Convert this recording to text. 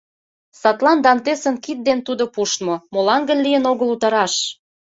Садлан Дантесын кид ден тудо пуштмо, Молан гын лийын огыл утараш?